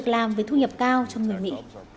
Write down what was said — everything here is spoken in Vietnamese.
làm với thu nhập cao cho người mỹ